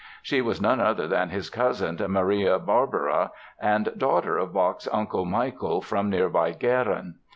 She was none other than his cousin, Maria Barbara, and daughter of Bach's uncle Michael from nearby Gehren.